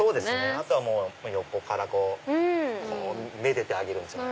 あとは横から愛でてあげるんですよね。